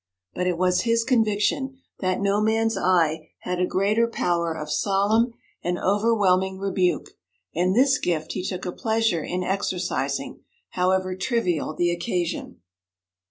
But it was his conviction that no man's eye had a greater power of solemn and overwhelming rebuke, and this gift he took a pleasure in exercising, however trivial the occasion.